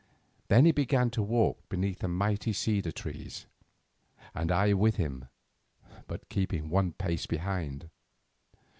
Then he began to walk beneath the mighty cedar trees, and I with him, but keeping one pace behind.